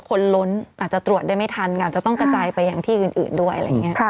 ล้นอาจจะตรวจได้ไม่ทันอาจจะต้องกระจายไปอย่างที่อื่นด้วยอะไรอย่างนี้